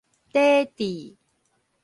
底蒂